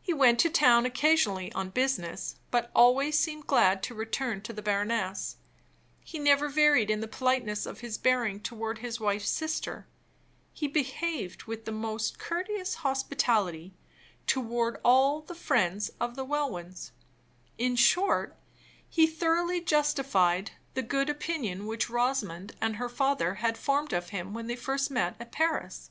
He went to town occasionally on business, but always seemed glad to return to the baroness; he never varied in the politeness of his bearing toward his wife's sister; he behaved with the most courteous hospitality toward all the friends of the Welwyns; in short, he thoroughly justified the good opinion which Rosamond and her father had formed of him when they first met at Paris.